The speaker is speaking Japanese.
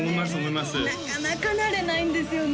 なかなかなれないんですよね